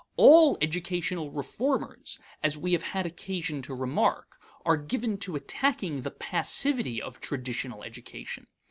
All educational reformers, as we have had occasion to remark, are given to attacking the passivity of traditional education.